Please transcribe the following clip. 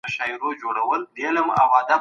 دفترونه د چټک ټایپنګ لرونکو کسانو ته اړتیا لري.